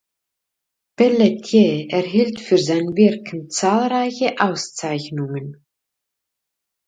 Pelletier erhielt für sein Wirken zahlreiche Auszeichnungen.